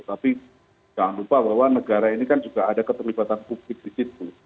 tapi jangan lupa bahwa negara ini kan juga ada keterlibatan publik di situ